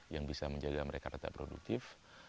yang bisa menjaga mereka tetap produktif